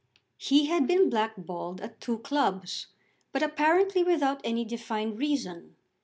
He had been blackballed at two clubs, but apparently without any defined reason.